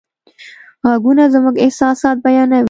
غږونه زموږ احساسات بیانوي.